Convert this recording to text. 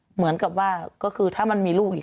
เหมือนกับว่าก็คือถ้ามันมีลูกอีก